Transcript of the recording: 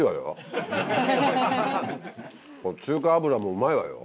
中華油もうまいわよ